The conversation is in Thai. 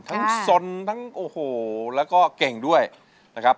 สนทั้งโอ้โหแล้วก็เก่งด้วยนะครับ